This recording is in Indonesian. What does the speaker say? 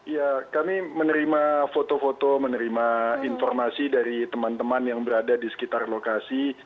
ya kami menerima foto foto menerima informasi dari teman teman yang berada di sekitar lokasi